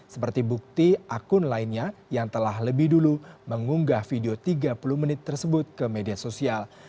seperti bukti akun lainnya yang telah lebih dulu mengunggah video tiga puluh menit tersebut ke media sosial